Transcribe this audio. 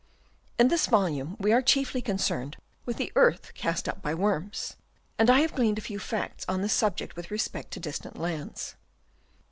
In this volume we are chiefly concerned with the earth cast up by worms, and I have gleaned a few T facts on this subject with respect to distant lands.